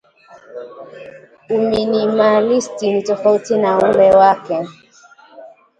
Uminimalisti ni tofauti na ule wake